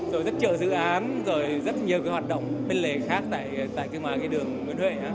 rồi rất chợ dự án rồi rất nhiều cái hoạt động bên lề khác tại cái ngoài cái đường nguyễn huệ